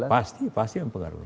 pasti pasti yang pengaruh